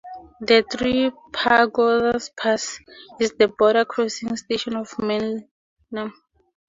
The Three Pagodas Pass is the border crossing station to Myanmar.